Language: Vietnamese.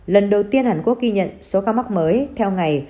lần đầu tiên hàn quốc ghi nhận số ca mắc mới theo ngày